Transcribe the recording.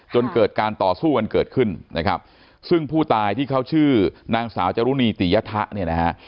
จนเกิดการต่อสู้เกิดขึ้นซึ่งผู้ตายที่เขาชื่อนางสาวจรุณีตียะทะ